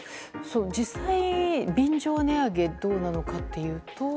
実際、便乗値上げなのかどうなのかというと？